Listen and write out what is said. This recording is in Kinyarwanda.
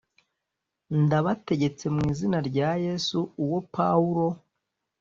Ndabategetse mu izina rya Yesu uwo Pawulo